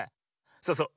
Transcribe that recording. そうそう。